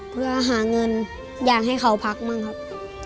เพื่อหาเงินอยากให้เขาพักบ้างครับ